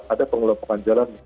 ada pengelompokan jalan